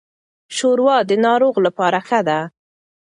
ښوروا د ناروغ لپاره ښه ده.